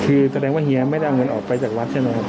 คือแสดงว่าเฮียไม่ได้เอาเงินออกไปจากวัดใช่ไหมครับ